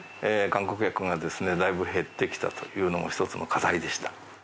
観光客がですねだいぶ減ってきたというのも１つの課題でした。